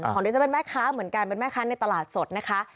ดิฉันเป็นแม่ค้าเหมือนกันเป็นแม่ค้าในตลาดสดนะคะ